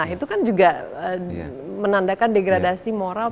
itu kan juga menandakan degradasi moral